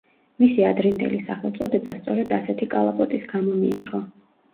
მისი ადრინდელი სახელწოდება სწორედ ასეთი კალაპოტის გამო მიიღო.